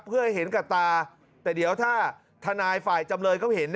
เพื่อให้เห็นกับตาแต่เดี๋ยวถ้าทนายฝ่ายจำเลยเขาเห็น